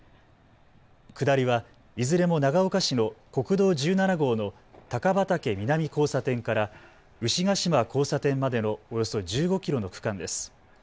下りはいずれも長岡市の国道１７号の高畑南交差点から牛ケ島交差点までのおよそ１５キロの区間です。